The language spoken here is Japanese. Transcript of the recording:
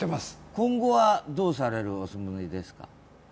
今後はどうされるおつもりですか。